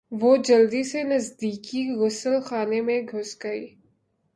وہ جلدی سے نزدیکی غسل خانے میں گھس گئی۔